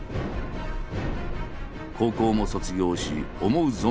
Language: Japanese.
「高校も卒業し思う